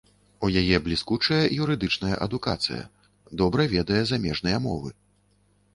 У яе бліскучая юрыдычная адукацыя, добра ведае замежныя мовы.